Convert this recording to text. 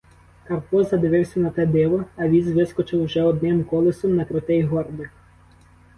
Карпо задивився на те диво, а віз вискочив уже одним колесом на крутий горбик.